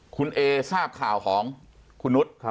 คุณเอทราบข่าวของคุณนุษย์